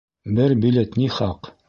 Бер билет ни хаҡ?